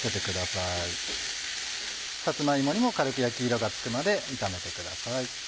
さつま芋にも軽く焼き色がつくまで炒めてください。